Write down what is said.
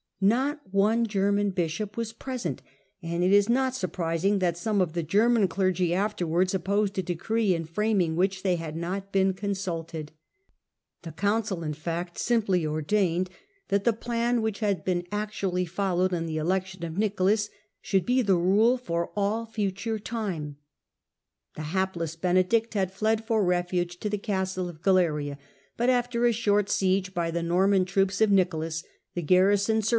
Not one German bishop was present, and it is not surprising that some of the German clergy after wards opposed a decree in framing which they had not Vieen consulted. The council, in fact, simply ordained Digitized by VjOOQIC 48 Htldebrand that the plan which had been actually followed in the election of Nicolas should be the rule for all future time. The hapless Benedict had fled for refuge to the castle of Galena; but after a short siege by the Degradation Normau fooops of Nicolas, the garrison sur X.